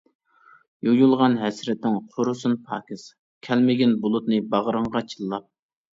يۇيۇلغان ھەسرىتىڭ قۇرۇسۇن پاكىز، كەلمىگىن بۇلۇتنى باغرىڭغا چىللاپ.